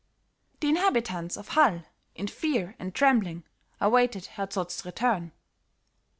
The inhabitants of Hall, in fear and trembling, awaited Herr Zott's return.